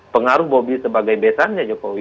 pengaruh bobi sebagai besannya jokowi